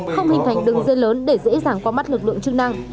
không hình thành đường dây lớn để dễ dàng qua mắt lực lượng chức năng